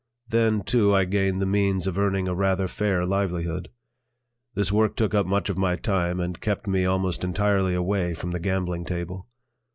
Then, too, I gained the means of earning a rather fair livelihood. This work took up much of my time and kept me almost entirely away from the gambling table.